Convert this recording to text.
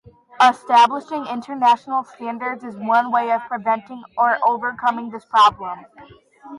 Establishing international standards is one way of preventing or overcoming this problem.